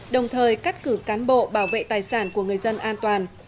đồng thời cắt cử cán bộ bảo vệ tài sản của người dân an toàn